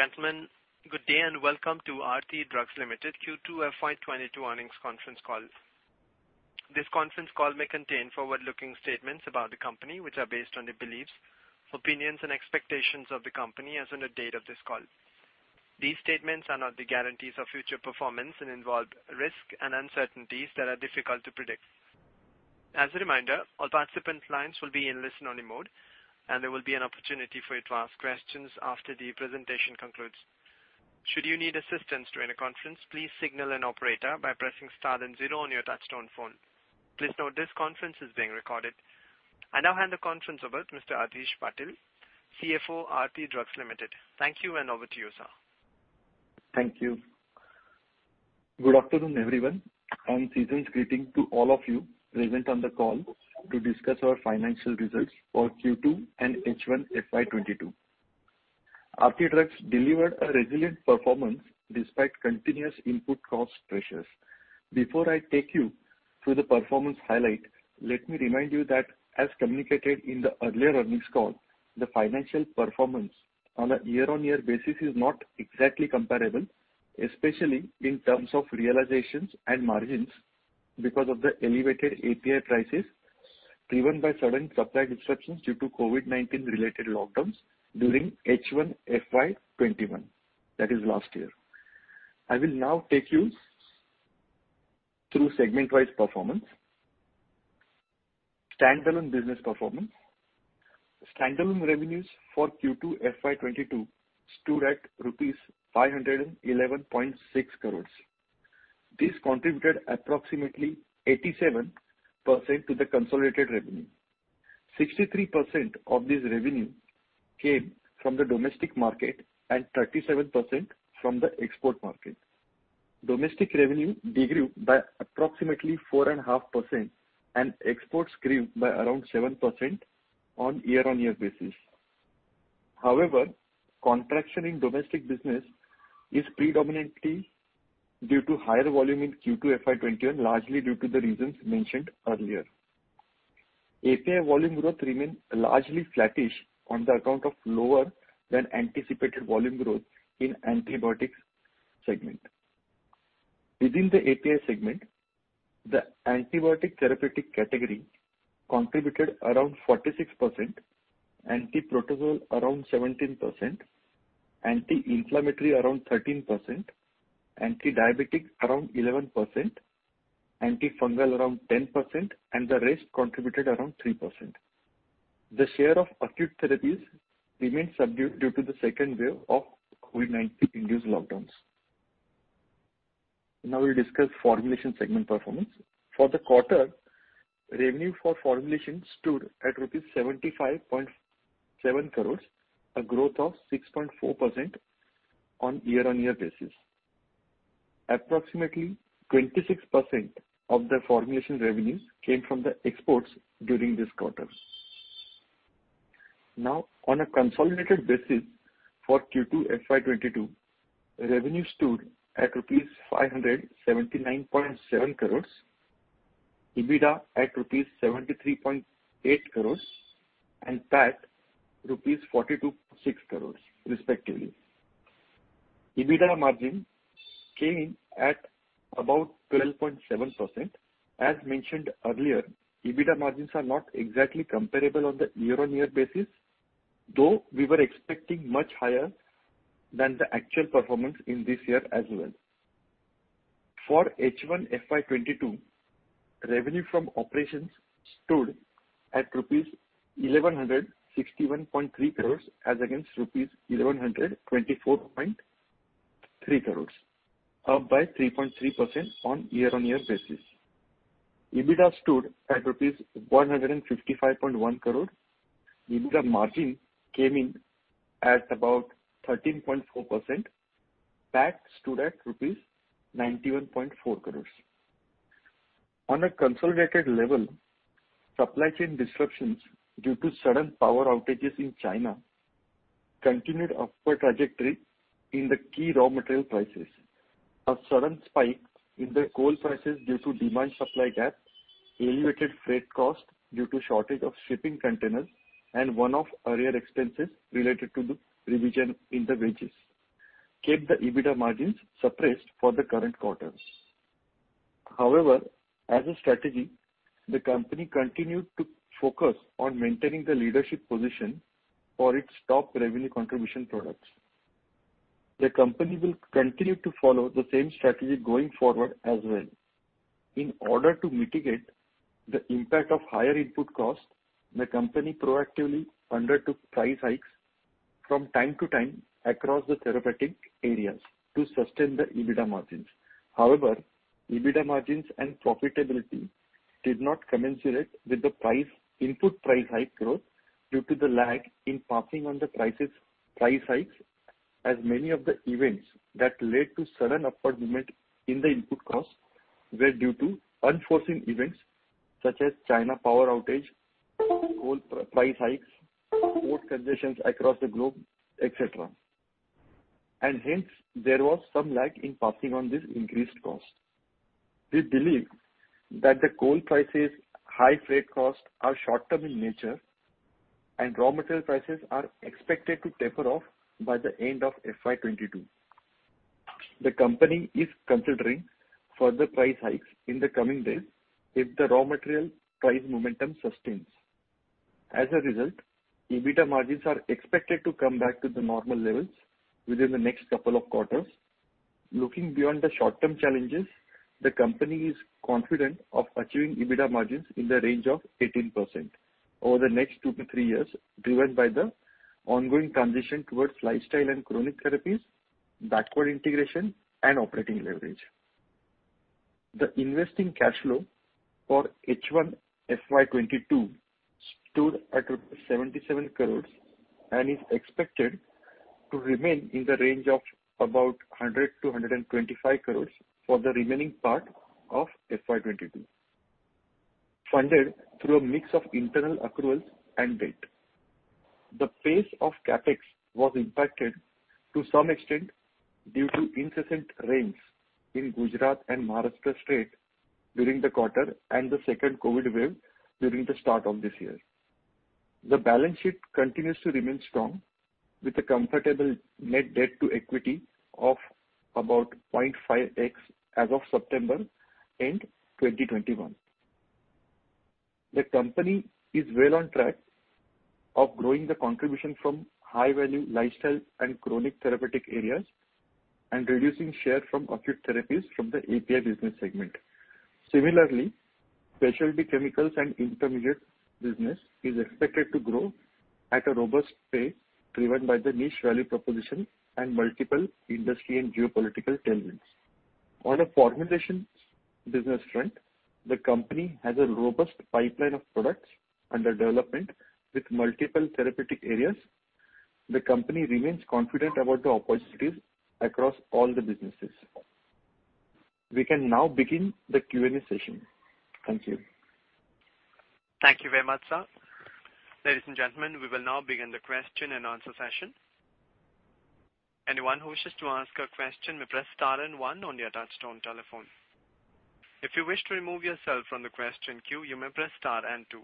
Ladies and gentlemen, good day and welcome to Aarti Drugs Limited Q2 FY 2022 earnings conference call. This conference call may contain forward-looking statements about the company, which are based on the beliefs, opinions, and expectations of the company as on the date of this call. These statements are not the guarantees of future performance and involve risk and uncertainties that are difficult to predict. As a reminder, all participant lines will be in listen-only mode, and there will be an opportunity for you to ask questions after the presentation concludes. Should you need assistance during the conference, please signal an operator by pressing star then zero on your touch-tone phone. Please note this conference is being recorded. I now hand the conference over to Mr. Adhish Patil, CFO, Aarti Drugs Limited. Thank you, and over to you, sir. Thank you. Good afternoon, everyone, and season's greeting to all of you present on the call to discuss our financial results for Q2 and H1 FY 2022. Aarti Drugs delivered a resilient performance despite continuous input cost pressures. Before I take you through the performance highlight, let me remind you that as communicated in the earlier earnings call, the financial performance on a year-on-year basis is not exactly comparable, especially in terms of realizations and margins because of the elevated API prices driven by sudden supply disruptions due to COVID-19 related lockdowns during H1 FY 2021, that is last year. I will now take you through segment-wise performance. Stand-alone business performance. Stand-alone revenues for Q2 FY 2022 stood at rupees 511.6 crore. This contributed approximately 87% to the consolidated revenue. 63% of this revenue came from the domestic market and 37% from the export market. Domestic revenue degrew by approximately 4.5% and exports grew by around 7% on year-on-year basis. However, contraction in domestic business is predominantly due to higher volume in Q2 FY 2021, largely due to the reasons mentioned earlier. API volume growth remained largely flattish on account of lower than anticipated volume growth in antibiotics segment. Within the API segment, the antibiotic therapeutic category contributed around 46%, anti-protozoal around 17%, anti-inflammatory around 13%, anti-diabetic around 11%, anti-fungal around 10%, and the rest contributed around 3%. The share of acute therapies remained subdued due to the second wave of COVID-19-induced lockdowns. Now we discuss formulation segment performance. For the quarter, revenue for formulation stood at rupees 75.7 crore, a growth of 6.4% on year-on-year basis. Approximately 26% of the formulation revenues came from the exports during this quarter. Now, on a consolidated basis for Q2 FY 2022, revenue stood at rupees 579.7 crore, EBITDA at rupees 73.8 crore and PAT rupees 42.6 crore respectively. EBITDA margin came in at about 12.7%. As mentioned earlier, EBITDA margins are not exactly comparable on the year-on-year basis, though we were expecting much higher than the actual performance in this year as well. For H1 FY 2022, revenue from operations stood at rupees 1,161.3 crore as against rupees 1,124.3 crore, up by 3.3% on year-on-year basis. EBITDA stood at rupees 155.1 crore. EBITDA margin came in at about 13.4%. PAT stood at 91.4 crore rupees. On a consolidated level, supply chain disruptions due to sudden power outages in China continued upward trajectory in the key raw material prices. A sudden spike in the coal prices due to demand-supply gap, elevated freight cost due to shortage of shipping containers and one-off earlier expenses related to the revision in the wages kept the EBITDA margins suppressed for the current quarters. However, as a strategy, the company continued to focus on maintaining the leadership position for its top revenue contribution products. The company will continue to follow the same strategy going forward as well. In order to mitigate the impact of higher input costs, the company proactively undertook price hikes from time to time across the therapeutic areas to sustain the EBITDA margins. However, EBITDA margins and profitability did not commensurate with the input price hike growth due to the lag in passing on price hikes as many of the events that led to sudden upward movement in the input costs were due to unforeseen events such as China power outage, coal price hikes, port congestions across the globe, et cetera. Hence there was some lag in passing on this increased cost. We believe that the coal prices and high freight costs are short-term in nature and raw material prices are expected to taper off by the end of FY 2022. The company is considering further price hikes in the coming days if the raw material price momentum sustains. As a result, EBITDA margins are expected to come back to the normal levels within the next couple of quarters. Looking beyond the short-term challenges, the company is confident of achieving EBITDA margins in the range of 18% over the next two-three years, driven by the ongoing transition towards lifestyle and chronic therapies, backward integration and operating leverage. The investing cash flow for H1 FY 2022 stood at 77 crore and is expected to remain in the range of about 100 crore-125 crore for the remaining part of FY 2022, funded through a mix of internal accruals and debt. The pace of CapEx was impacted to some extent due to incessant rains in Gujarat and Maharashtra state during the quarter and the second COVID-19 wave during the start of this year. The balance sheet continues to remain strong, with a comfortable net debt to equity of about 0.5x as of September end 2021. The company is well on track of growing the contribution from high-value lifestyle and chronic therapeutic areas and reducing share from acute therapies from the API business segment. Similarly, specialty chemicals and intermediate business is expected to grow at a robust pace, driven by the niche value proposition and multiple industry and geopolitical tailwinds. On a formulation business front, the company has a robust pipeline of products under development with multiple therapeutic areas. The company remains confident about the opportunities across all the businesses. We can now begin the Q&A session. Thank you. Thank you very much, sir. Ladies and gentlemen, we will now begin the question-and-answer session. Anyone who wishes to ask a question may press star and one on your touchtone telephone. If you wish to remove yourself from the question queue, you may press star and two.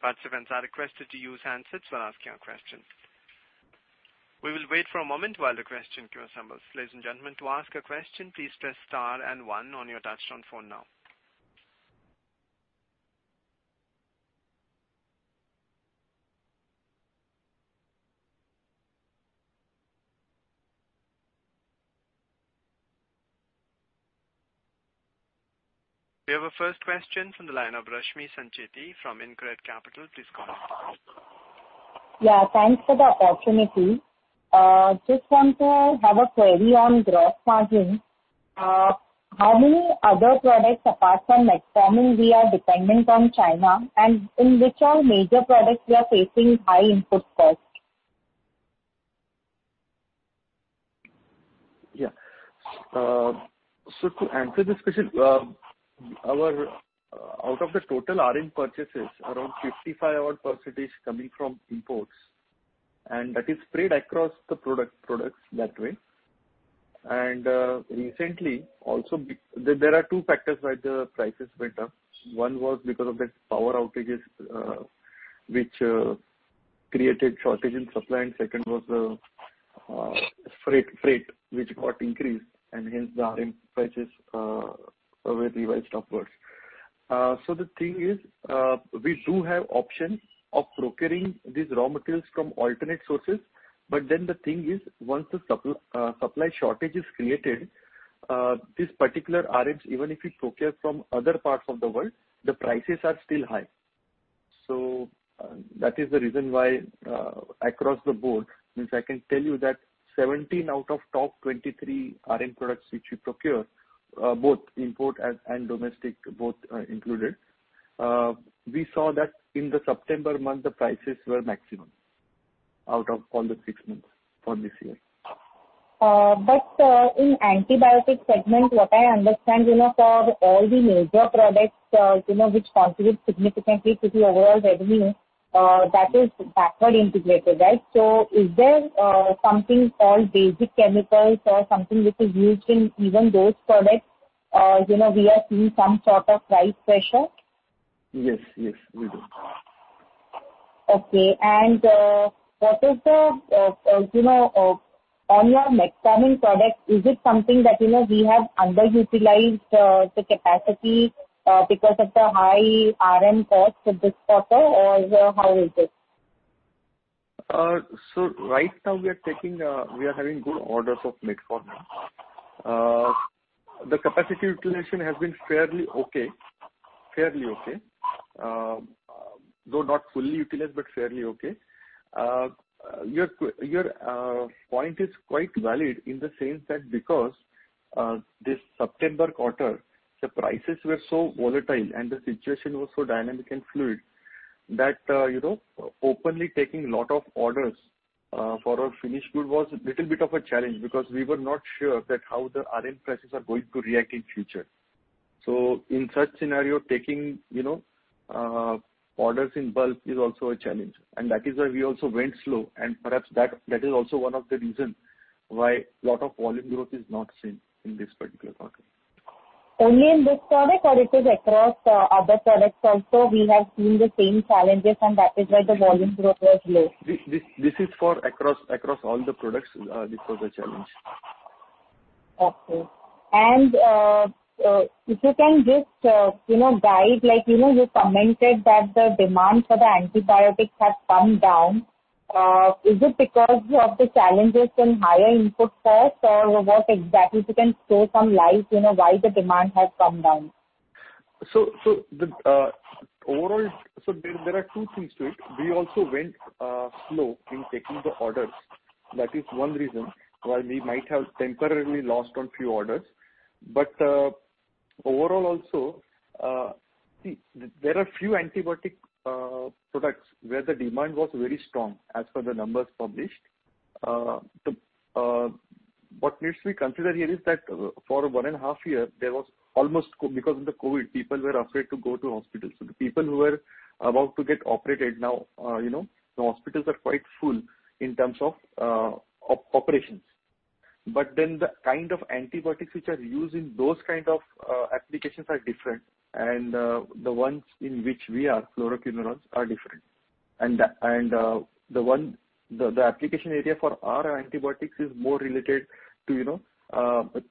Participants are requested to use handsets while asking a question. We will wait for a moment while the question queue assembles. Ladies and gentlemen, to ask a question, please press star and one on your touch-tone phone now. We have our first question from the line of Rashmi Sancheti from InCred Capital. Please go on. Yeah, thanks for the opportunity. I just want to have a query on gross margin. How many other products apart from metformin are we dependent on China and in which all major products are we facing high input cost? To answer this question, out of the total RM purchases, around 55 odd percent is coming from imports, and that is spread across the products that way. Recently also there are two factors why the prices went up. One was because of the power outages, which created shortage in supply, and second was, freight which got increased and hence the RM prices were revised upwards. The thing is, we do have options of procuring these raw materials from alternate sources. The thing is, once the supply shortage is created, this particular RMs even if we procure from other parts of the world, the prices are still high. That is the reason why, across the board, I mean, I can tell you that 17 out of top 23 RM products which we procure, both import and domestic, included, we saw that in the September month, the prices were maximum out of all the six months for this year. In antibiotic segment, what I understand, you know, for all the major products, you know, which contribute significantly to the overall revenue, that is backward integrated, right? Is there something called basic chemicals or something which is used in even those products, you know, we are seeing some sort of price pressure? Yes. Yes, we do. Okay. What is, you know, on your metformin product, is it something that, you know, we have underutilized the capacity because of the high RM cost at this quarter or how is it? Right now we are taking, we are having good orders of metformin. The capacity utilization has been fairly okay. Though not fully utilized, but fairly okay. Your point is quite valid in the sense that because this September quarter, the prices were so volatile and the situation was so dynamic and fluid that, you know, openly taking lot of orders for our finished good was little bit of a challenge because we were not sure that how the RM prices are going to react in future. So in such scenario, taking, you know, orders in bulk is also a challenge, and that is why we also went slow. Perhaps that is also one of the reasons why a lot of volume growth is not seen in this particular quarter. Only in this product or it is across other products also we have seen the same challenges and that is why the volume growth was low? This is for across all the products. This was a challenge. Okay. If you can just, you know, guide, like, you know, you commented that the demand for the antibiotics has come down. Is it because of the challenges in higher input costs or what exactly, if you can throw some light, you know, why the demand has come down? There are two things to it. We also went slow in taking the orders. That is one reason why we might have temporarily lost on few orders. Overall also, see, there are few antibiotic products where the demand was very strong as per the numbers published. What needs to be considered here is that for 1.5 years, because of the COVID, people were afraid to go to hospitals. The people who were about to get operated now, you know, the hospitals are quite full in terms of operations. The kind of antibiotics which are used in those kind of applications are different. The ones in which we are fluoroquinolones are different. The application area for our antibiotics is more related to, you know,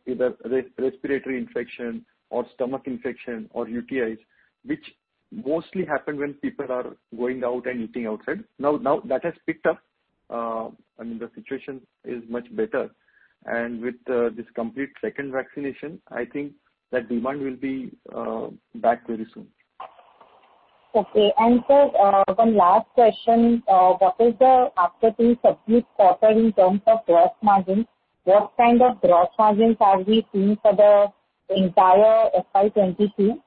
either respiratory infection or stomach infection or UTIs, which mostly happen when people are going out and eating outside. Now that has picked up. I mean the situation is much better. With this complete second vaccination, I think that demand will be back very soon. Sir, one last question. After this subdued quarter in terms of gross margins, what kind of gross margins are we seeing for the entire FY 2022?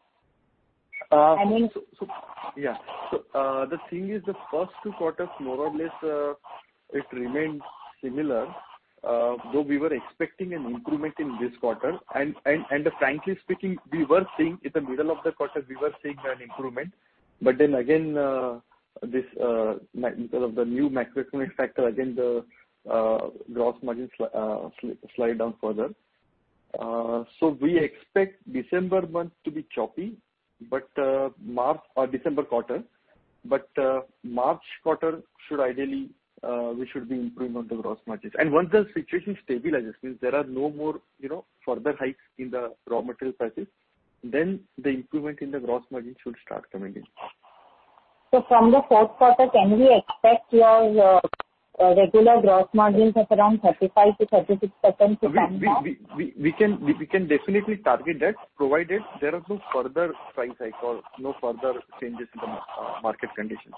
I mean- The thing is, the first two quarters more or less it remained similar. Though we were expecting an improvement in this quarter. Frankly speaking, we were seeing an improvement in the middle of the quarter. Then again, this kind of new macroeconomic factor, the gross margins slide down further. We expect December month to be choppy, but the March quarter should ideally, we should be improving on the gross margins. Once the situation stabilizes, means there are no more, you know, further hikes in the raw material prices, then the improvement in the gross margins should start coming in. From the fourth quarter, can we expect your regular gross margins of around 35%-36% to come back? We can definitely target that, provided there are no further price hikes or no further changes in the market conditions.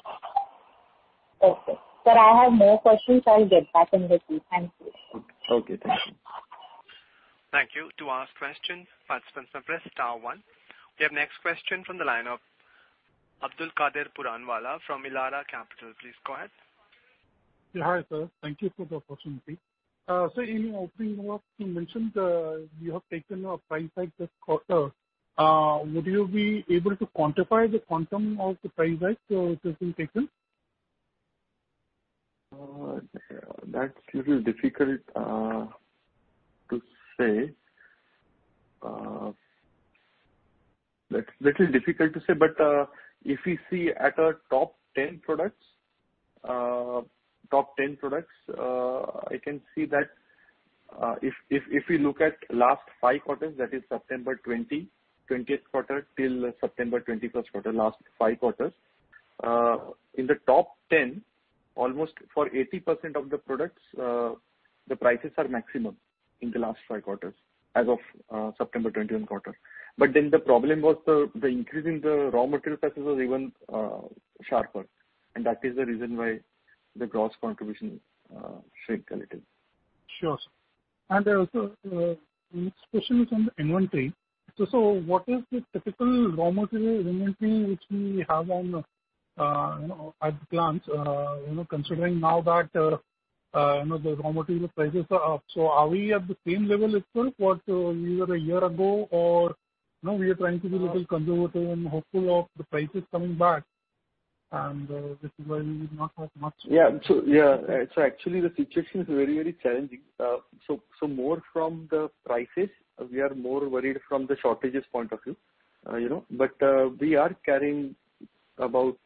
Okay. Sir, I have more questions. I'll get back in the queue. Thank you. Okay. Thank you. Thank you. To ask questions, participants can press star one. We have next question from the line of Abdulkader Puranwala from Elara Capital. Please go ahead. Yeah. Hi sir, thank you for the opportunity. In your opening remarks you mentioned you have taken a price hike this quarter. Would you be able to quantify the quantum of the price hike, which has been taken? That's a little difficult to say. If we look at our top 10 products, I can see that if we look at the last five quarters, that is September 2020 quarter till September 2021 quarter. In the top 10, almost 80% of the products, the prices are maximum in the last five quarters as of September 2021 quarter. The problem was the increase in the raw material prices was even sharper. That is the reason why the gross contribution shrink a little. Sure. Also, next question is on the inventory. What is the typical raw material inventory which we have on hand, you know, at a glance, you know, considering now that, you know, the raw material prices are up. Are we at the same level as per what we were a year ago or, you know, we are trying to be a little conservative and hopeful of the prices coming back, and this is why we would not have much. Actually, the situation is very, very challenging. More from the prices, we are more worried from the shortages point of view. You know, but we are carrying about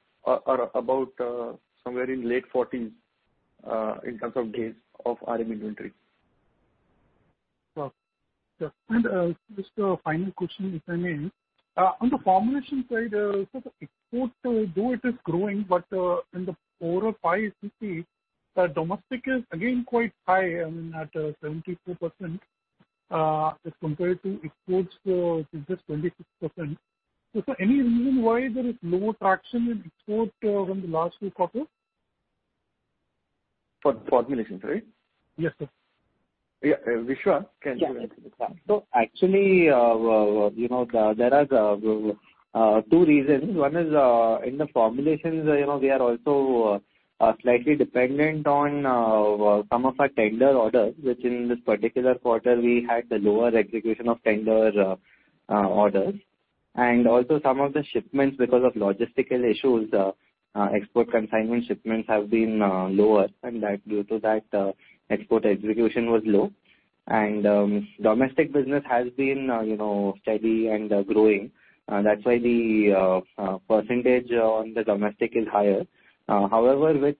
somewhere in late forties in terms of days of RM inventory. Well, yeah. Just a final question, if I may. On the formulation side, so the export, though it is growing, but, in the overall pie, if you see, the domestic is again quite high, I mean, at 74%, as compared to exports, which is 26%. For any reason why there is lower traction in export, from the last few quarters? For the formulations, right? Yes, sir. Yeah. Vishwa, can you answer this one? Yeah. Actually, you know, there are two reasons. One is in the formulations, you know, we are also slightly dependent on some of our tender orders, which in this particular quarter we had the lower execution of tender orders. Some of the shipments because of logistical issues, export consignment shipments have been lower and due to that, export execution was low. Domestic business has been, you know, steady and growing. That's why the percentage on the domestic is higher. However, with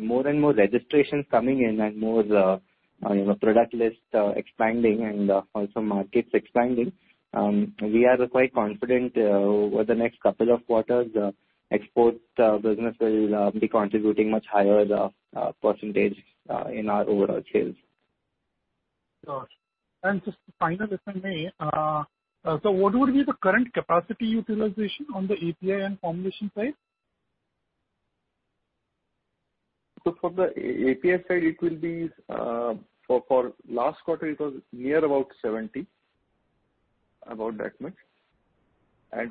more and more registrations coming in and more, you know, product list expanding and also markets expanding, we are quite confident over the next couple of quarters export business will be contributing much higher percentage in our overall sales. Got it. Just final if I may. What would be the current capacity utilization on the API and formulation side? For the API side, it will be for last quarter, it was near about 70, about that much.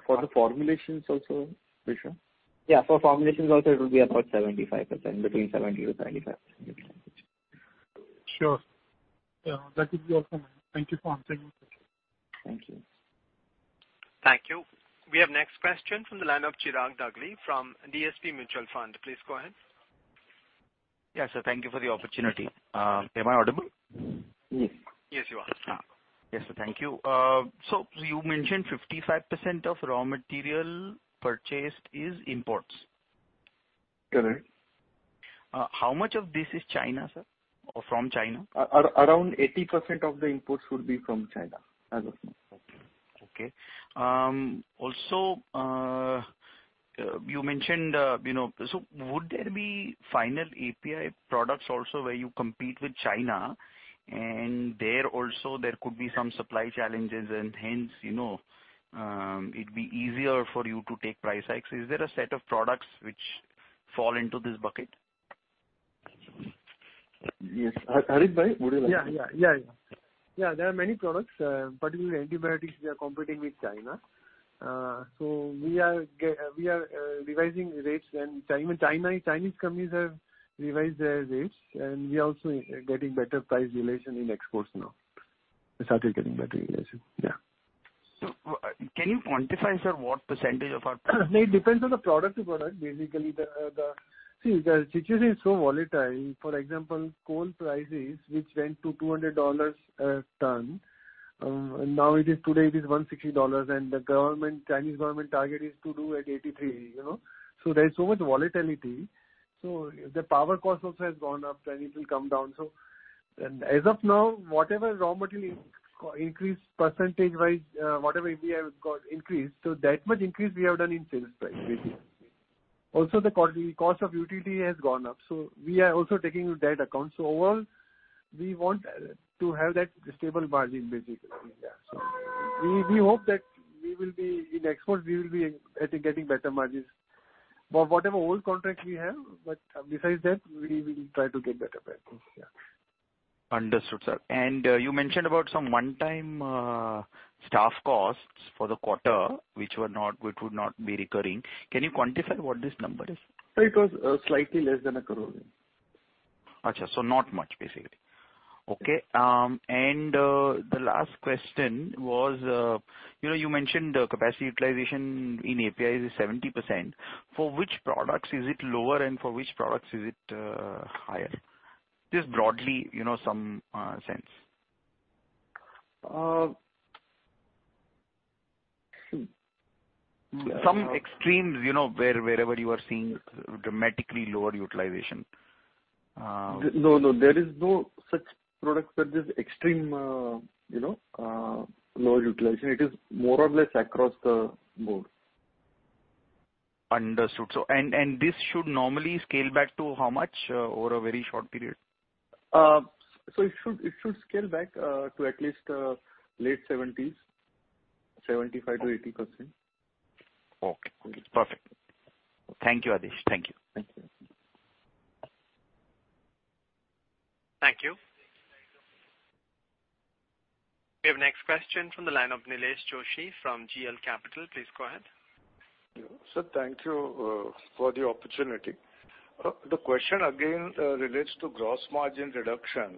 For the formulations also, Vishwa. Yeah, for formulations also it will be about 75%. Between 70%-75%. Sure. Yeah. That would be all from me. Thank you for answering. Thank you. Thank you. We have the next question from the line of Chirag Dagli from DSP Mutual Fund. Please go ahead. Yeah, sir. Thank you for the opportunity. Am I audible? Yes. Yes, you are. Yes. Thank you. You mentioned 55% of raw material purchased is imports. Correct. How much of this is China, sir, or from China? Around 80% of the imports would be from China as of now. Okay. Also, you mentioned, you know, would there be final API products also where you compete with China and there also could be some supply challenges and hence, you know, it'd be easier for you to take price hikes. Is there a set of products which fall into this bucket? Yes. Harit Bhai, would you like to. Yeah, there are many products, particularly antibiotics we are competing with China. We are revising rates and Chinese companies have revised their rates and we are also getting better price realization in exports now. We started getting better realizations. Can you quantify, sir, what percentage of our products? It depends on the product-to-product. Basically, see, the situation is so volatile. For example, coal prices, which went to $200 a ton, now it is $160. The Chinese government target is to do at $83, you know. There is so much volatility. The power cost also has gone up and it will come down. As of now, whatever raw material increase percentage-wise, whatever API we got increased, so that much increase we have done in sales price basically. The cost of utility has gone up, so we are also taking that into account. Overall, we want to have that stable margin basically. Yeah. We hope that in export we will be getting better margins, I think. Whatever old contract we have, but besides that we will try to get better prices. Yeah. Understood, sir. You mentioned about some one-time staff costs for the quarter, which would not be recurring. Can you quantify what this number is? It was slightly less than 1 crore. Okay. Not much basically. Okay. The last question was, you know, you mentioned the capacity utilization in API is 70%. For which products is it lower and for which products is it higher? Just broadly, you know, some sense. Uh. Some extremes, you know, where, wherever you are seeing dramatically lower utilization. No, no. There is no such product where there's extreme, you know, low utilization. It is more or less across the board. Understood. This should normally scale back to how much over a very short period? It should scale back to at least late 70s, 75%-80%. Okay. Perfect. Thank you, Adhish. Thank you. Thank you. Thank you. We have next question from the line of Nilesh Doshi from GL Capital. Please go ahead. Sir, thank you for the opportunity. The question again relates to gross margin reduction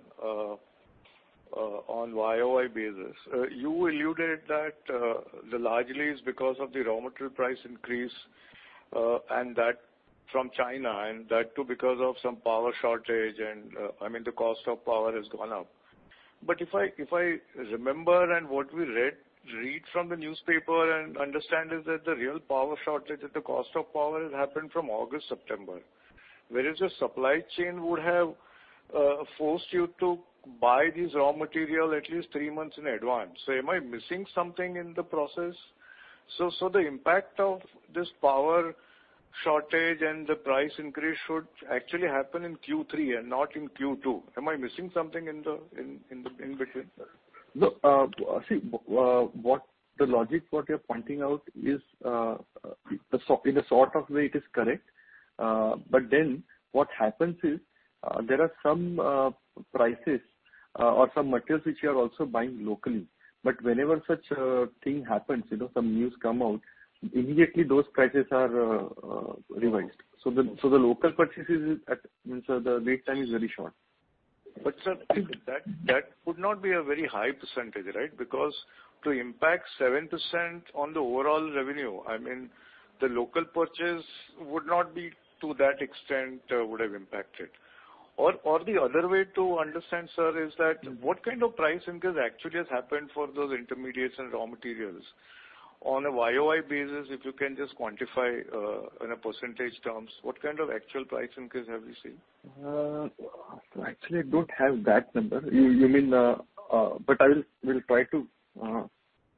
on YoY basis. You alluded that largely it's because of the raw material price increase and that from China, and that too because of some power shortage and, I mean, the cost of power has gone up. If I remember and what we read from the newspaper and understand is that the real power shortage or the cost of power happened from August, September. Whereas the supply chain would have forced you to buy these raw material at least three months in advance. Am I missing something in the process? The impact of this power shortage and the price increase should actually happen in Q3 and not in Q2. Am I missing something in between, sir? No. See, what the logic you're pointing out is, so in a sort of way, it is correct. What happens is, there are some prices or some materials which you are also buying locally. Whenever such a thing happens, you know, some news come out, immediately those prices are revised. The local purchases that means the lead time is very short. Sir, that would not be a very high percentage, right? Because to impact 7% on the overall revenue, I mean, the local purchase would not be to that extent, would have impacted. The other way to understand, sir, is that what kind of price increase actually has happened for those intermediates and raw materials? On a YoY basis, if you can just quantify, in a percentage terms, what kind of actual price increase have you seen? Actually, I don't have that number. You mean? We'll try to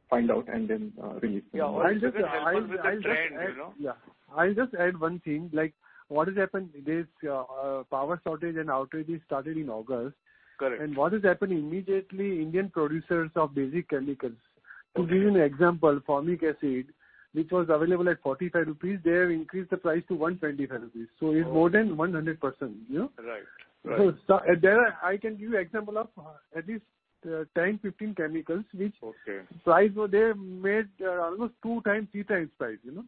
find out and then release. Yeah. If you can help us with the trend, you know? Yeah. I'll just add one thing. Like, what has happened is, power outage started in August. Correct. What is happening, immediately Indian producers of basic chemicals, to give you an example, formic acid, which was available at 45 rupees, they have increased the price to 125 rupees. Oh. It's more than 100%, you know. Right. There I can give you example of at least 10, 15 chemicals which- Okay.... price over there made almost 2x, 3x price, you know.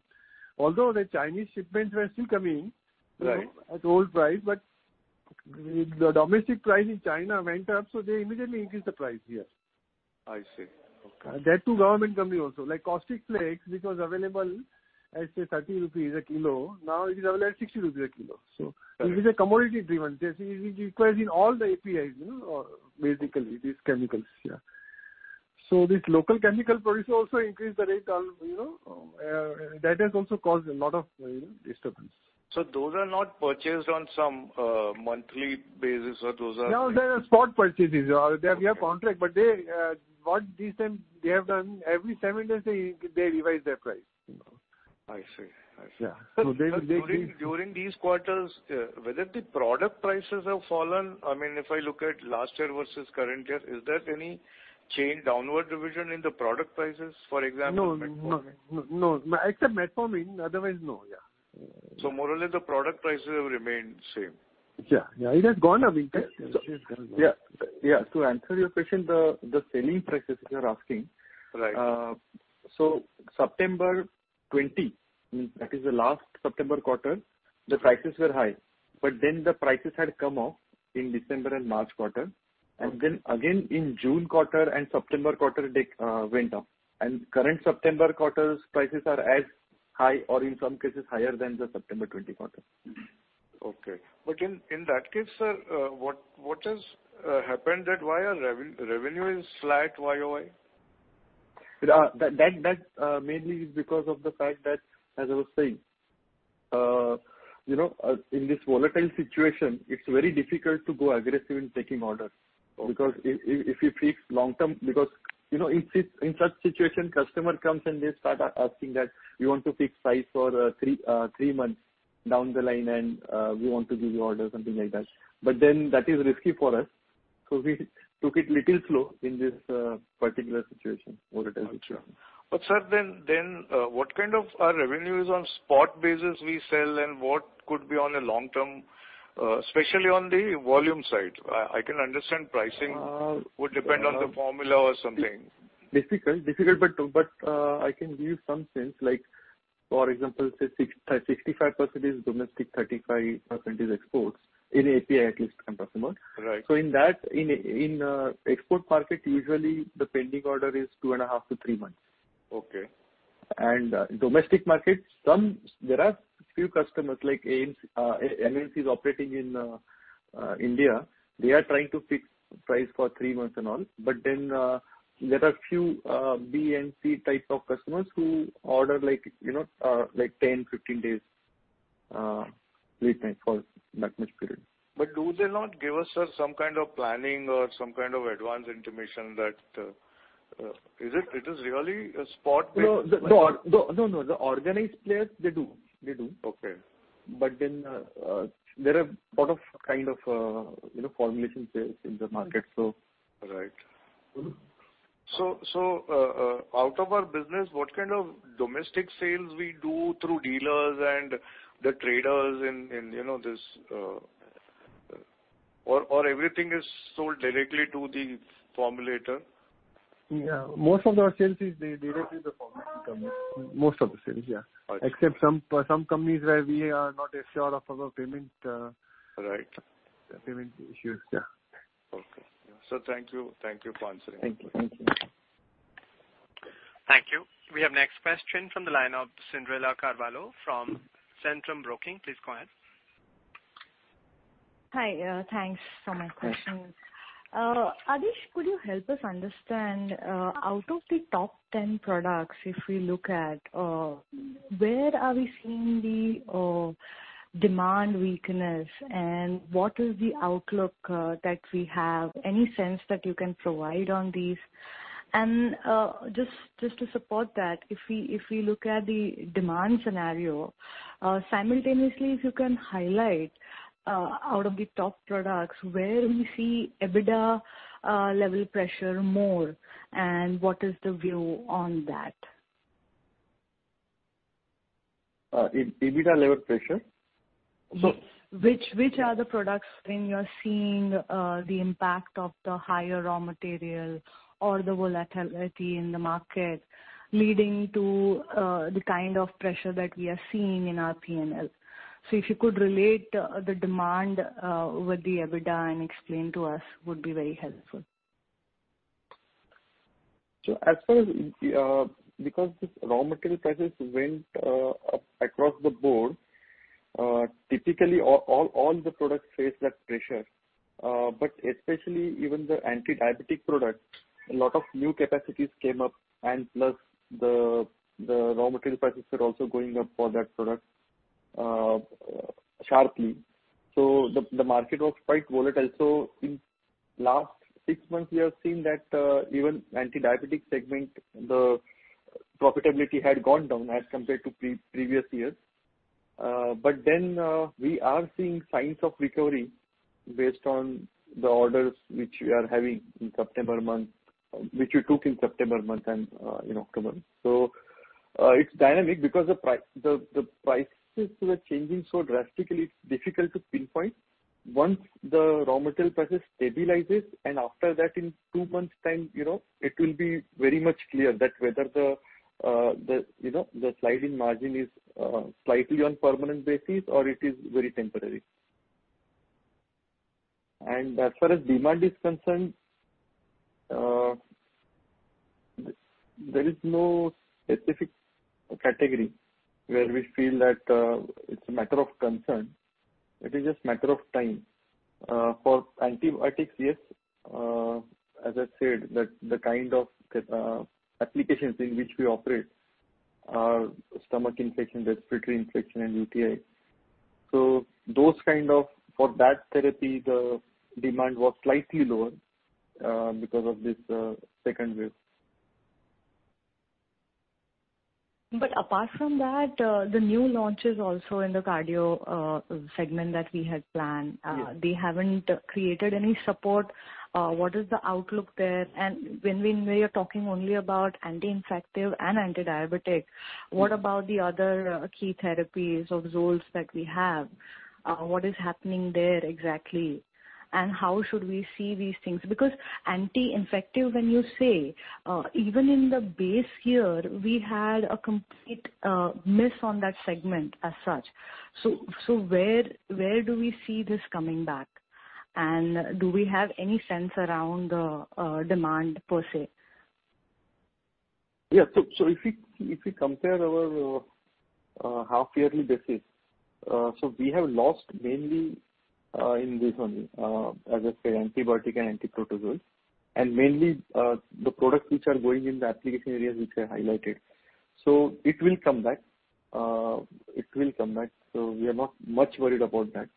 Although the Chinese shipments were still coming- Right.... you know, at old price, but the domestic price in China went up, so they immediately increased the price here. I see. Okay. That too government company also. Like caustic flakes, which was available at, say, 30 rupees a kilo, now it is available at 60 rupees a kilo. It is a commodity driven. This is required in all the APIs, you know, medically, these chemicals. This local chemical producer also increased the rate on, you know, that has also caused a lot of, you know, disturbance. Those are not purchased on some monthly basis, or those are like- No, they are spot purchases. They have contracts, but what they have done recently, every seven days they revise their price. I see. Yeah. They keep- Sir, during these quarters, whether the product prices have fallen, I mean, if I look at last year versus current year, is there any change, downward revision in the product prices, for example, metformin? No. Except metformin, otherwise no. Yeah. More or less, the product prices have remained the same. Yeah. Yeah. It has gone up in price. Yes. Yes, it has gone up. Yeah. To answer your question, the selling prices you are asking. Right. September 2020, that is the last September quarter, the prices were high, but then the prices had come off in December and March quarter. Then again in June quarter and September quarter they went up. Current September quarter's prices are as high or in some cases higher than the September 2020 quarter. Okay. In that case, sir, what has happened that why our revenue is flat YoY? That mainly is because of the fact that, as I was saying, you know, in this volatile situation, it's very difficult to go aggressive in taking orders. Okay. You know, in such situation, customer comes and they start asking that, "We want to fix price for three months down the line and we want to give you order," something like that. That is risky for us. We took it little slow in this particular situation, volatile situation. Sir, then what kind of our revenue is on spot basis we sell and what could be on a long-term, especially on the volume side? I can understand pricing- Uh.... would depend on the formula or something. Difficult, but I can give some sense, like for example, say 65% is domestic, 35% is exports in API, at least I'm talking about. Right. In the export market, usually the pending order is two and a half to three months. Okay. Domestic market, there are few customers like MNCs operating in India. They are trying to fix price for three months and all. There are few B and C type of customers who order like, you know, like 10, 15 days lead time for that much period. Do they not give us, sir, some kind of planning or some kind of advance intimation that? Is it really a spot basis like? No, no. The organized players, they do. Okay. There are a lot of kind of, you know, formulation players in the market, so. Right. Mm-hmm. Out of our business, what kind of domestic sales we do through dealers and the traders in, you know, this? Or everything is sold directly to the formulator? Yeah. Most of our sales is directly to formulator companies. Most of the sales, yeah. Okay. Except some companies where we are not assured of our payment. Right. Payment issues. Yeah. Okay. Sir, thank you. Thank you for answering. Thank you. Thank you. Thank you. We have next question from the line of Cyndrella Carvalho from Centrum Broking. Please go ahead. Hi. Thanks for taking my questions. Adhish, could you help us understand, out of the top 10 products, if we look at, where are we seeing the demand weakness and what is the outlook that we have? Any sense that you can provide on these? Just to support that, if we look at the demand scenario, simultaneously if you can highlight, out of the top products, where we see EBITDA level pressure more and what is the view on that? EBITDA level pressure? Yes. Which are the products when you're seeing the impact of the higher raw material or the volatility in the market leading to the kind of pressure that we are seeing in our P&L? If you could relate the demand with the EBITDA and explain to us, that would be very helpful. As far as, because this raw material prices went up across the board, typically all the products face that pressure. Especially even the anti-diabetic products, a lot of new capacities came up, and plus the raw material prices were also going up for that product sharply. The market was quite volatile. In last six months, we have seen that even anti-diabetic segment, the profitability had gone down as compared to previous years. We are seeing signs of recovery based on the orders which we are having in September month, which we took in September month and in October. It's dynamic because the prices were changing so drastically, it's difficult to pinpoint. Once the raw material prices stabilizes and after that in two months time, you know, it will be very much clear that whether the you know, the slide in margin is slightly on permanent basis or it is very temporary. As far as demand is concerned, there is no specific category where we feel that it's a matter of concern. It is just matter of time. For antibiotics, yes, as I said, that the kind of applications in which we operate are stomach infection, respiratory infection and UTI. So those kind of. For that therapy, the demand was slightly lower, because of this second wave. Apart from that, the new launches also in the cardio segment that we had planned. Yes. They haven't created any support. What is the outlook there? When you're talking only about anti-infective and anti-diabetic, what about the other key therapies or zones that we have? What is happening there exactly? How should we see these things? Because anti-infective, when you say, even in the base year, we had a complete miss on that segment as such. Where do we see this coming back? Do we have any sense around the demand per se? If we compare our half-yearly basis, we have lost mainly in this one, as I said, antibiotic and anti-protozoal. Mainly, the products which are going in the application areas which I highlighted. It will come back. We are not much worried about that.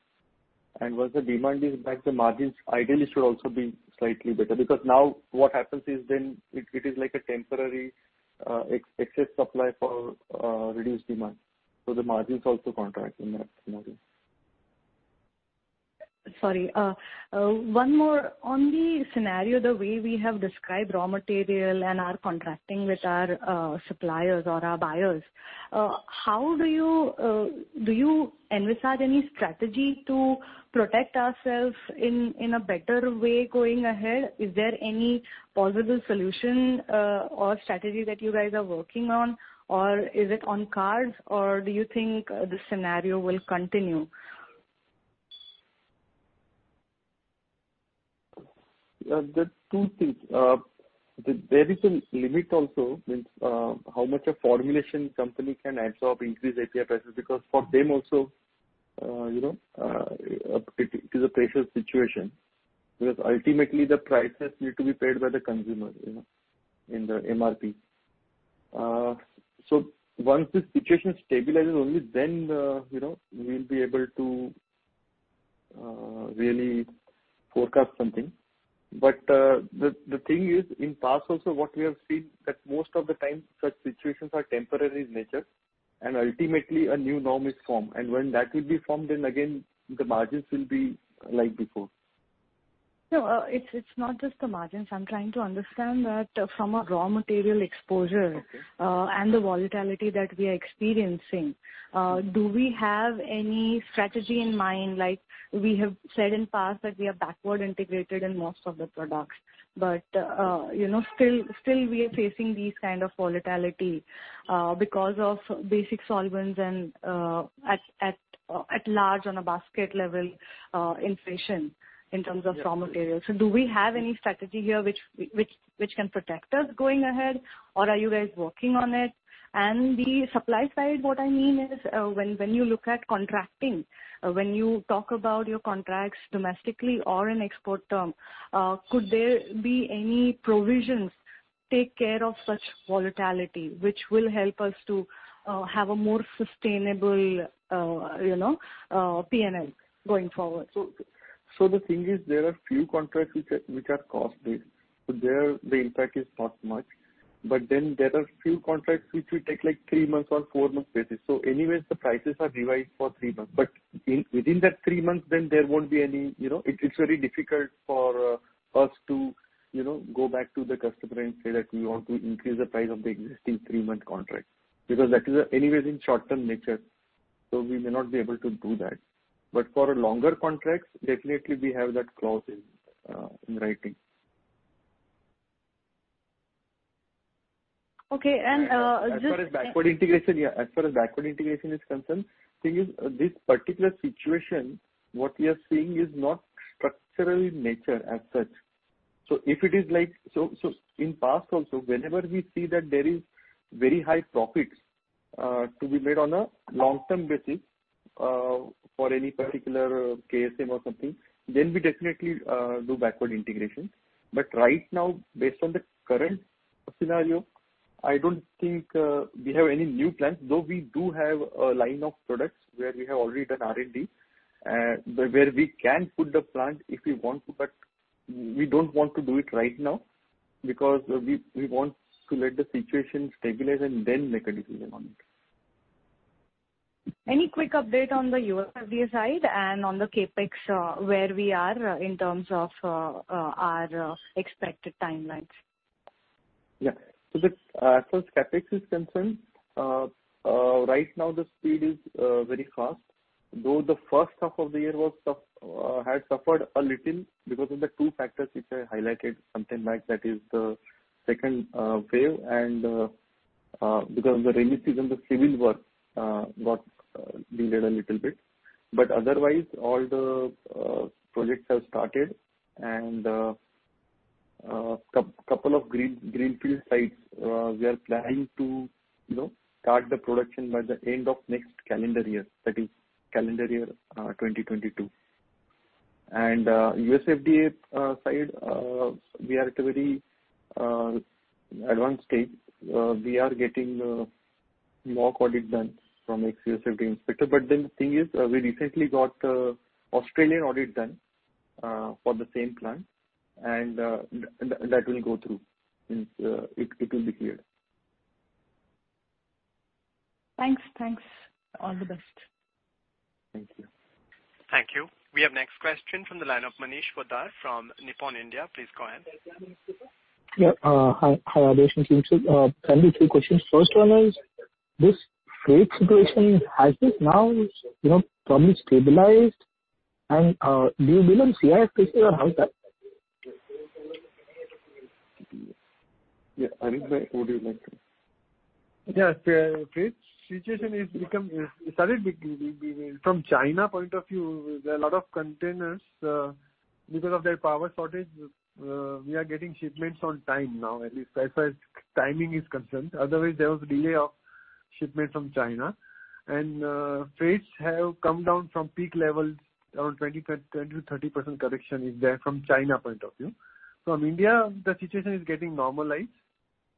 Once the demand is back, the margins ideally should also be slightly better. Because now what happens is it is like a temporary excess supply for reduced demand. The margins also contract in that scenario. Sorry. One more. On the scenario, the way we have described raw material and our contracting with our suppliers or our buyers, how do you do you envisage any strategy to protect ourselves in a better way going ahead? Is there any possible solution or strategy that you guys are working on? Or is it on cards? Or do you think this scenario will continue? There are two things. There is a limit also, I mean, how much a formulation company can absorb increased API prices, because for them also, you know, it is a pressure situation. Because ultimately the prices need to be paid by the consumer, you know, in the MRP. Once this situation stabilizes only then, you know, we'll be able to really forecast something. But the thing is, in the past also what we have seen that most of the time such situations are temporary in nature and ultimately a new norm is formed. When that will be formed, then again the margins will be like before. No, it's not just the margins. I'm trying to understand that from a raw material exposure. Okay. The volatility that we are experiencing, do we have any strategy in mind? Like we have said in past that we are backward integrated in most of the products, but, you know, still we are facing these kind of volatility, because of basic solvents and, at large on a basket level, inflation in terms of raw materials. Do we have any strategy here which can protect us going ahead, or are you guys working on it? The supply side, what I mean is, when you look at contracting, when you talk about your contracts domestically or in export term, could there be any provisions take care of such volatility which will help us to, have a more sustainable, you know, P&L going forward? The thing is, there are few contracts which are cost-based. There the impact is not much. There are few contracts which we take like three months or four months basis. Anyways, the prices are revised for three months. Within that three months, then there won't be any, you know. It's very difficult for us to, you know, go back to the customer and say that we want to increase the price of the existing three-month contract. Because that is, anyways in short-term nature. We may not be able to do that. For longer contracts, definitely we have that clause in writing. Okay. As far as backward integration, yeah. As far as backward integration is concerned, thing is, this particular situation, what we are seeing is not structural in nature as such. In past also, whenever we see that there is very high profits to be made on a long-term basis for any particular KSM or something, then we definitely do backward integration. Right now, based on the current scenario, I don't think we have any new plans, though we do have a line of products where we have already done R&D, where we can put the plant if we want to. We don't want to do it right now because we want to let the situation stabilize and then make a decision on it. Any quick update on the USFDA side and on the CapEx, where we are in terms of our expected timelines? As far as CapEx is concerned, right now the speed is very fast, though the first half of the year was tough, had suffered a little because of the two factors which I highlighted sometime back, that is the second wave and because of the rainy season, the civil work got delayed a little bit. Otherwise, all the projects have started and couple of greenfield sites we are planning to, you know, start the production by the end of next calendar year, that is calendar year 2022. USFDA side, we are at a very advanced stage. We are getting more audit done from FDA inspector. The thing is, we recently got Australian audit done for the same plant, and that will go through. It's it will be cleared. Thanks. Thanks. All the best. Thank you. Thank you. We have next question from the line of Manish Poddar from Nippon India. Please go ahead. Yeah. Hi. Good afternoon, team. Three questions. First one is, this freight situation, has this now, you know, probably stabilized? Do you believe in sea, how is that? Yeah. Harit Bhai, would you like to? Yeah. Freight situation has become. It started being from China point of view. There are a lot of containers. Because of their power shortage, we are getting shipments on time now, at least as far as timing is concerned. Otherwise, there was delay of shipment from China. Freights have come down from peak levels. Around 20%-30% correction is there from China point of view. From India, the situation is getting normalized,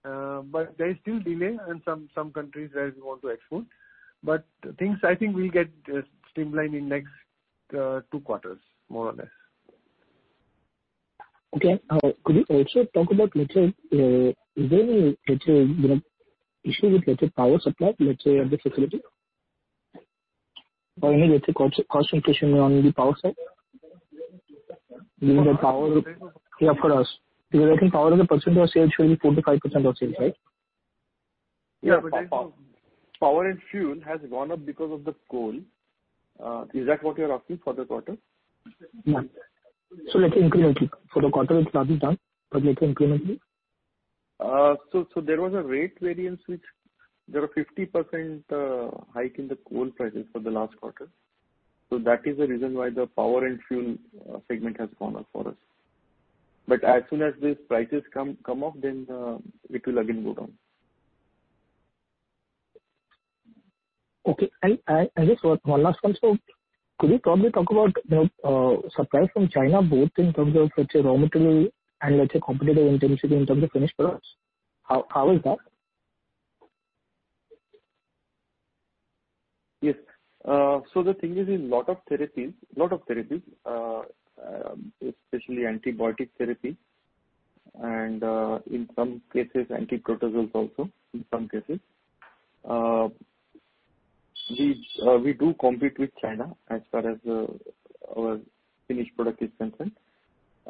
but there is still delay in some countries where we want to export. Things, I think we'll get streamlined in next two quarters, more or less. Okay. Could you also talk about, let's say, is there any, let's say, you know, issue with, let's say, power supply, let's say at the facility? Or any, let's say, cost inflation on the power side? Given that power, yeah, for us. Because I think power as a percent of sales should be 4%-5% of sales, right? Yeah. Power and fuel has gone up because of the coal. Is that what you're asking for this quarter? No. Like incrementally. For the quarter it's already done, but let's say incrementally. There was a rate variance which was a 50% hike in the coal prices for the last quarter. That is the reason why the power and fuel segment has gone up for us. As soon as these prices come up, then it will again go down. Okay. Just one last one, sir. Could you probably talk about, you know, supply from China, both in terms of let's say raw material and let's say competitive intensity in terms of finished products? How is that? Yes. The thing is, in a lot of therapies, especially antibiotic therapy and, in some cases anti-protozoals also, in some cases. We do compete with China as far as our finished product is concerned.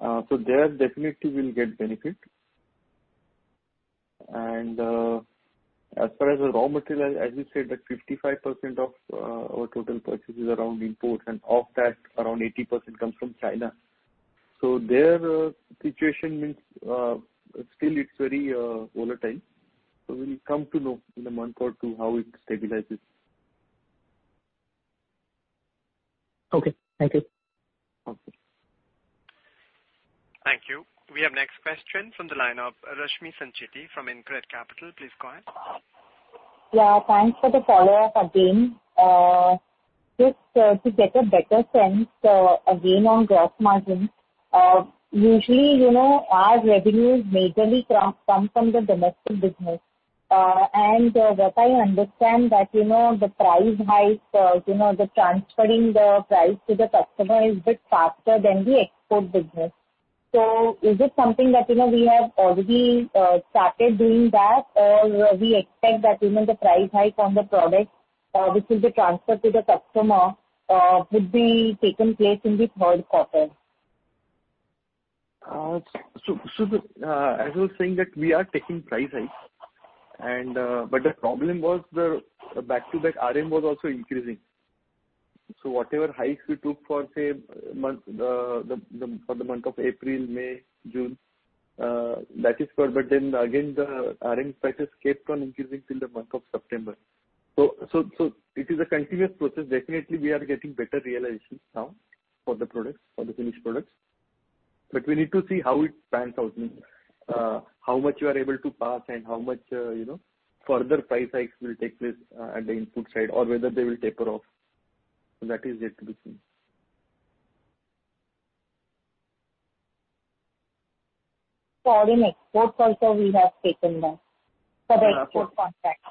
There definitely we'll get benefit. As far as the raw material, as we said that 55% of our total purchase is import and of that around 80% comes from China. Their situation means still it's very volatile. We'll come to know in a month or two how it stabilizes. Okay. Thank you. Okay. Thank you. We have next question from the line of Rashmi Sancheti from InCred Capital. Please go ahead. Yeah. Thanks for the follow-up again. Just to get a better sense, again on gross margin. Usually, you know, our revenues majorly come from the domestic business. What I understand that, you know, the price hike, you know, the transferring the price to the customer is a bit faster than the export business. Is it something that, you know, we have already started doing that or we expect that even the price hike on the product, which will be transferred to the customer, would be taking place in the third quarter? As I was saying that we are taking price hike and but the problem was the back-to-back RM was also increasing. Whatever hikes we took for, say, month the for the month of April, May, June that is for but then again the RM prices kept on increasing till the month of September. It is a continuous process. Definitely, we are getting better realization now for the products for the finished products. But we need to see how it pans out. I mean, how much you are able to pass and how much you know further price hikes will take place at the input side or whether they will taper off. That is yet to be seen. For in export also we have taken the- Uh-huh.... for the export contract.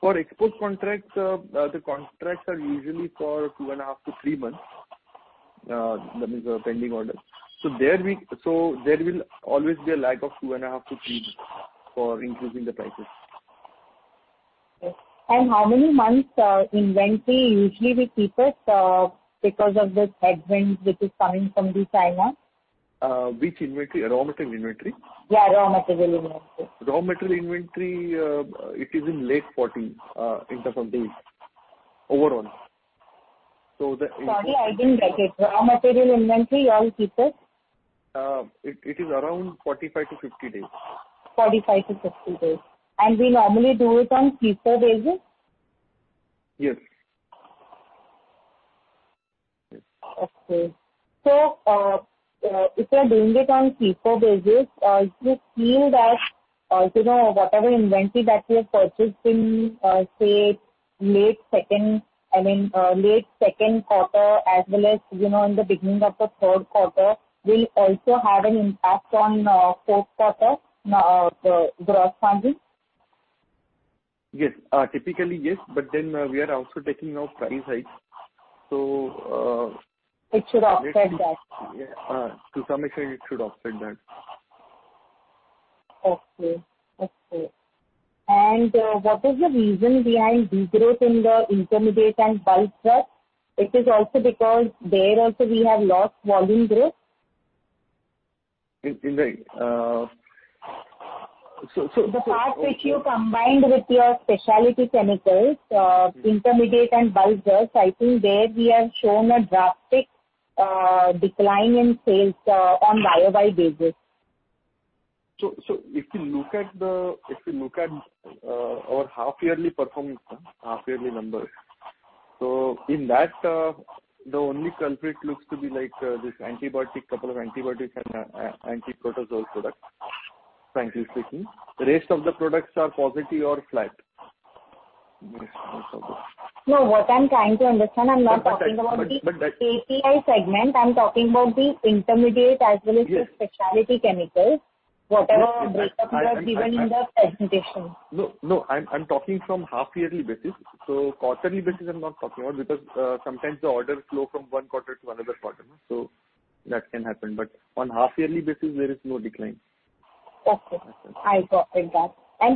For export contracts, the contracts are usually for two and a half to three months, that is, pending order. There will always be a lag of two and a half to three months for increasing the prices. Okay. How many months inventory usually we keep it, because of this headwinds, which is coming from China? Which inventory? Raw material inventory? Yeah, raw material inventory. Raw material inventory, it is in late 40, in terms of days, overall. Sorry, I didn't get it. Raw material inventory you all keep it? It is around 45-50 days. 45-50 days. We normally do it on CIF basis? Yes. Yes. If you are doing it on CIF basis, do you feel that, you know, whatever inventory that you have purchased in, say, late second quarter, as well as, you know, in the beginning of the third quarter will also have an impact on fourth quarter, the gross margins? Yes. Typically, yes, but then we are also taking now price hikes. It should offset that. Yeah. To some extent it should offset that. What is the reason behind degrowth in the intermediate and bulk drugs? It is also because there we have lost volume growth. In, in the, uh... So, so- The part which you combined with your specialty chemicals, intermediate and bulk drugs, I think there we have shown a drastic decline in sales on YoY basis. If you look at our half yearly performance, half yearly numbers, so in that, the only culprit looks to be like this antibiotic, couple of antibiotics and anti-protozoal products, frankly speaking. The rest of the products are positive or flat. Yes. That's all. No, what I'm trying to understand, I'm not talking about- But that-... API segment. I'm talking about the intermediate as well as- Yes.... the specialty chemicals. Well, no. Whatever breakup you have given in the presentation. No, no, I'm talking from half yearly basis. Quarterly basis I'm not talking about because sometimes the orders flow from one quarter to another quarter. That can happen. On half yearly basis, there is no decline. Okay. That's all. I got it.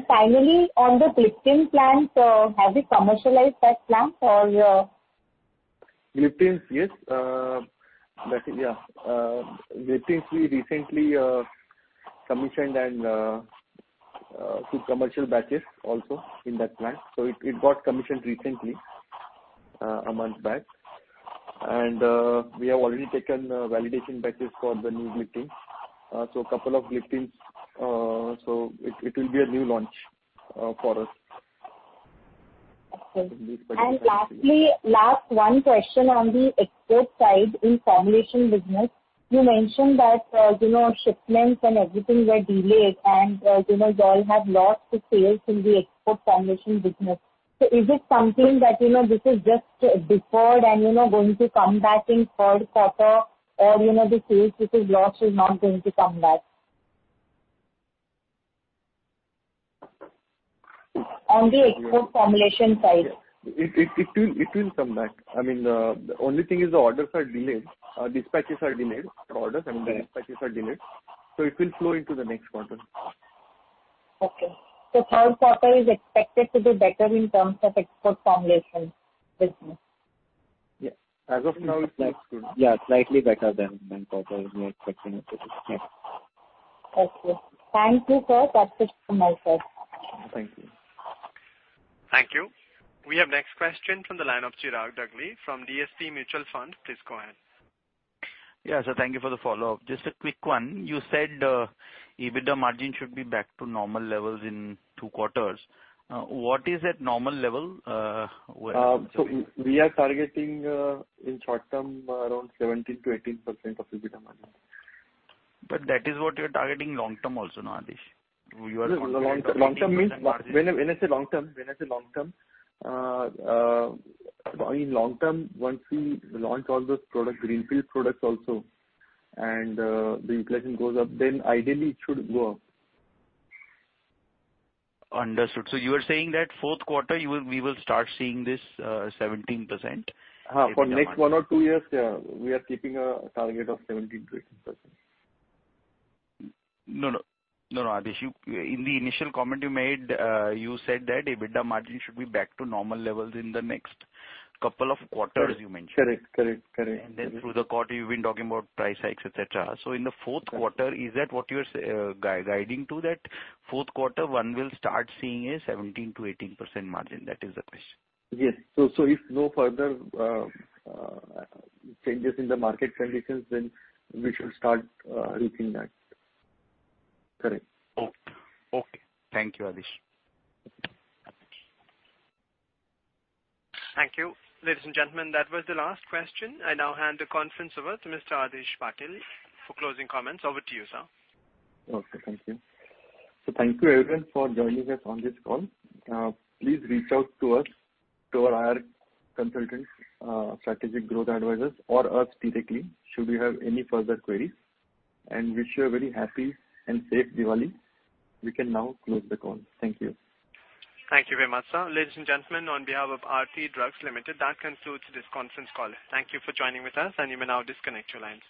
Finally, on the gliptin plant, have you commercialized that plant or you're... Gliptins, yes. Gliptins we recently commissioned and two commercial batches also in that plant. It got commissioned recently, a month back. We have already taken validation batches for the new gliptins. Couple of gliptins, so it will be a new launch for us. Okay. This gliptin. Lastly, last one question on the export side in formulation business. You mentioned that, you know, you know, shipments and everything were delayed and, you know, you all have lost the sales in the export formulation business. Is it something that, you know, this is just deferred and, you know, going to come back in third quarter? Or, you know, the sales which is lost is not going to come back? On the export formulation side. It will come back. I mean, the only thing is the orders are delayed. Dispatches are delayed. I mean, the dispatches are delayed, so it will flow into the next quarter. Okay. Third quarter is expected to be better in terms of export formulation business. Yeah. As of now it looks good. Yeah, slightly better than quarter we are expecting it to be. Okay. Thank you, sir. That's it from my side. Thank you. Thank you. We have next question from the line of Chirag Dagli from DSP Mutual Fund. Please go ahead. Yeah. Thank you for the follow-up. Just a quick one. You said, EBITDA margin should be back to normal levels in two quarters. What is that normal level, where? We are targeting in short-term around 17%-18% EBITDA margin. That is what you're targeting long-term also now, Adhish. No. Long-term means, when I say long-term, I mean long-term, once we launch all those products, greenfield products also, and the utilization goes up, then ideally it should go up. Understood. You are saying that fourth quarter we will start seeing this 17% EBITDA margin? For next one or two years, yeah, we are keeping a target of 17%-18%. No, Adhish, in the initial comment you made, you said that EBITDA margin should be back to normal levels in the next couple of quarters, you mentioned. Correct. Through the quarter you've been talking about price hikes, et cetera. In the fourth quarter, is that what you are guiding to, that fourth quarter one will start seeing a 17%-18% margin? That is the question. Yes. If no further changes in the market conditions, then we should start reaching that. Correct. Okay. Thank you, Adhish. Thank you. Ladies and gentlemen, that was the last question. I now hand the conference over to Mr. Adhish Patil for closing comments. Over to you, sir. Okay, thank you. Thank you everyone for joining us on this call. Please reach out to us, to our IR consultants, Strategic Growth Advisors or us directly, should you have any further queries. Wish you a very happy and safe Diwali. We can now close the call. Thank you. Thank you very much, sir. Ladies and gentlemen, on behalf of Aarti Drugs Limited, that concludes this conference call. Thank you for joining with us and you may now disconnect your lines.